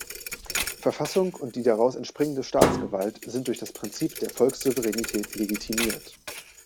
Verfassung und die daraus entspringende Staatsgewalt sind durch das Prinzip der Volkssouveränität legitimiert.